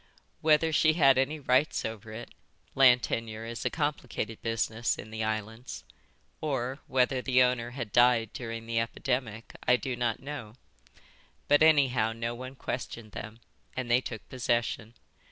Whether she had any rights over it (land tenure is a complicated business in the islands), or whether the owner had died during the epidemic, I do not know, but anyhow no one questioned them, and they took possession.